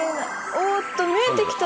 おっと見えてきた！